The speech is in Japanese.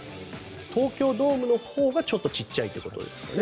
東京ドームのほうがちょっと小さいということですね。